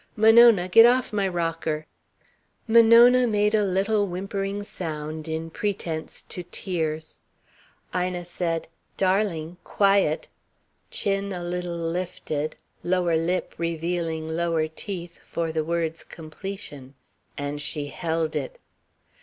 Monona, get off my rocker." Monona made a little whimpering sound, in pretence to tears. Ina said "Darling quiet!" chin a little lifted, lower lip revealing lower teeth for the word's completion; and she held it.